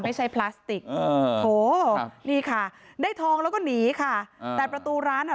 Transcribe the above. ไม่ใช่พลาสติกโอ้โหนี่ค่ะได้ทองแล้วก็หนีค่ะแต่ประตูร้านอะ